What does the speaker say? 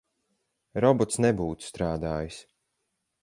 Robots nebūtu strādājis.